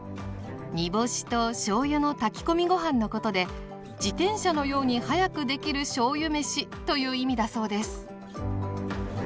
煮干しとしょうゆの炊き込みご飯のことで自転車のように早くできるしょうゆめしという意味だそうです。